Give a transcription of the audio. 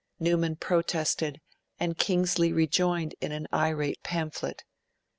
Newman protested, and Kingsley rejoined in an irate pamphlet.